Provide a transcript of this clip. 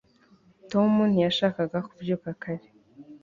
tom ntiyashakaga kubyuka kare